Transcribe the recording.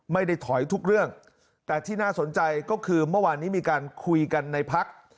ไม่ได้ถอยทุกเรื่องแต่ที่น่าสนใจก็คือเมื่อวานนี้มีการคุยกันในพัก